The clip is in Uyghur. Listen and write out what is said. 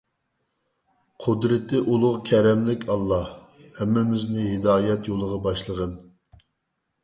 قۇدرىتى ئۇلۇغ كەرەملىك ئاللاھ، ھەممىمىزنى ھىدايەت يولىغا باشلىغىن!